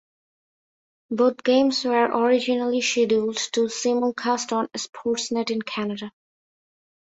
Both games were originally scheduled to be simulcast on Sportsnet in Canada.